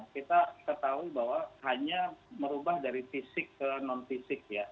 kita ketahui bahwa hanya merubah dari fisik ke non fisik ya